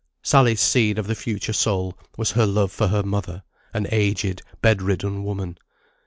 Sally's seed of the future soul was her love for her mother, an aged bedridden woman.